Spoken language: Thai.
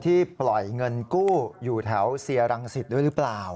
ปล่อยเงินกู้อยู่แถวเซียรังสิตด้วยหรือเปล่า